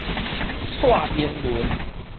蔡英文